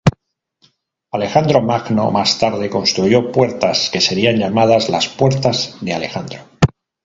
Alejandro Magno más tarde construyó puertas que serían llamadas las "Puertas de Alejandro".